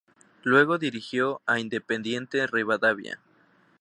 Luego dirigió a Independiente Rivadavia.